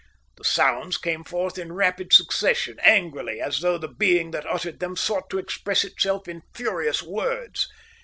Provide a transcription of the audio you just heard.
The sounds came forth in rapid succession, angrily, as though the being that uttered them sought to express itself in furious words.